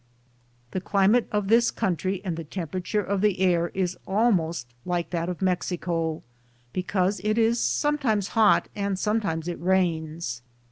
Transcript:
The climate of this country and tho tem perature of the air is almost like that of Mexico, because it is sometimes hot and sometimes it rains.